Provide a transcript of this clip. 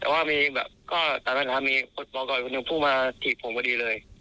แต่ว่ามีแบบก็ตามภาษามีคนบอกก่อนผู้มาถีดผมก็ดีเลย